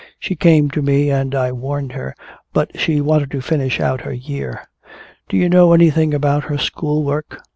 She came to me and I warned her, but she wanted to finish out her year. Do you know anything about her school work?"